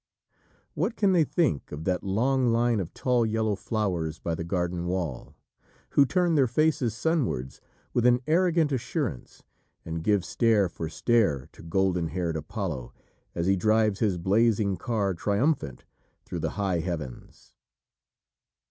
What can they think of that long line of tall yellow flowers by the garden wall, who turn their faces sunwards with an arrogant assurance, and give stare for stare to golden haired Apollo as he drives his blazing car triumphant through the high heavens?